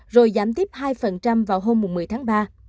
rồi giảm tiếp hai vào hôm một mươi tháng ba